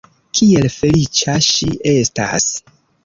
Kiel feliĉa ŝi estas!